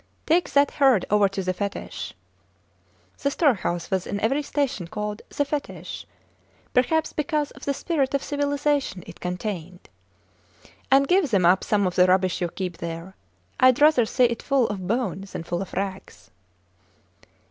Take that herd over to the fetish (the storehouse was in every station called the fetish, perhaps because of the spirit of civilization it contained) and give them up some of the rubbish you keep there. Id rather see it full of bone than full of rags.